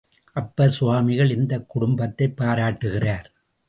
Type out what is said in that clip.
அப்பர் சுவாமிகள் இந்தக் குடும்பத்தைப் பாராட்டுகிறார்.